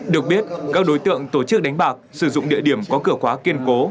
được biết các đối tượng tổ chức đánh bạc sử dụng địa điểm có cửa khóa kiên cố